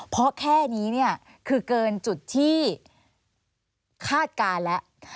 เพราะแค่นี้เนี่ยคือเกินจุดที่คาดการณ์แล้ว